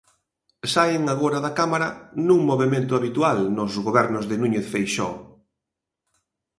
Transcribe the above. Saen agora da Cámara nun movemento habitual nos gobernos de Núñez Feixóo.